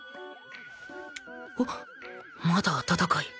あっまだ温かい